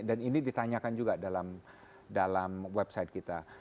dan ini ditanyakan juga dalam website kita